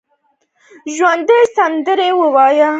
ژوندي سندرې وايي